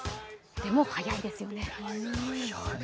でも、速いですよね。